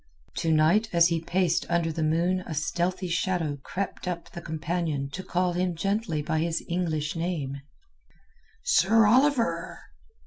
To night as he paced under the moon a stealthy shadow crept up the companion to call him gently by his English name— "Sir Oliver!"